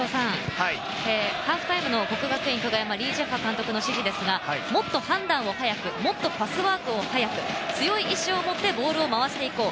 ハーフタイムの國學院久我山・李済華監督の指示ですが、もっと判断を早く、もっとパスワークを速く、強い意思を持ってボールを回していこう。